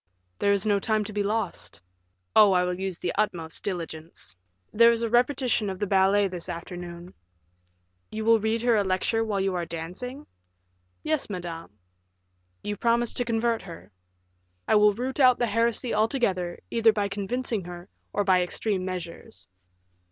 "There is no time to be lost." "Oh, I will use the utmost diligence. There is a repetition of the ballet this afternoon." "You will read her a lecture while you are dancing?" "Yes, madame." "You promise to convert her?" "I will root out the heresy altogether, either by convincing her, or by extreme measures."